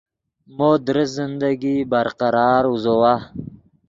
مو درست زندگی برقرار اوزوّا